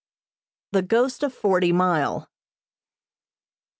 The Ghost of Forty Mile.